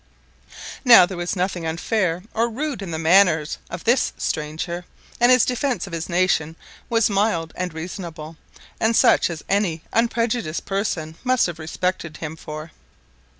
Now there was nothing unfair or rude in the manners of this stranger, and his defence of his nation was mild and reasonable, and such as any unprejudiced person must have respected him for.